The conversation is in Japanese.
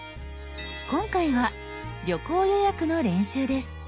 今回は旅行予約の練習です。